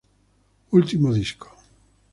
Ultimo disco.